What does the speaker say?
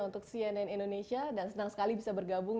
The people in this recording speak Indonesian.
untuk cnn indonesia dan senang sekali bisa bergabung